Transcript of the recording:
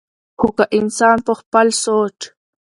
خو کۀ انسان پۀ خپل سوچ